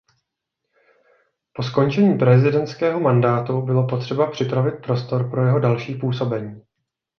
Po skončení prezidentského mandátu bylo potřeba připravit prostor pro jeho další působení.